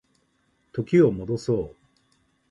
時を戻そう